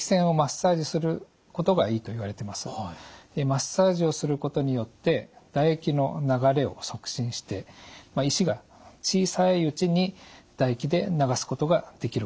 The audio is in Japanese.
マッサージをすることによって唾液の流れを促進して石が小さいうちに唾液で流すことができるからです。